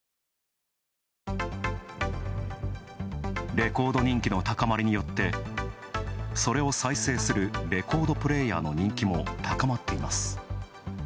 レコード人気の高まりによって、それを再生するレコードプレーヤーの人気も高まっています。